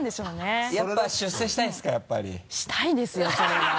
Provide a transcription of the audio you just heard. したいですよそれは。